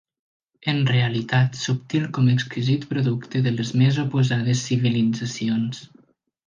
En realitat subtil com exquisit producte de les més oposades civilitzacions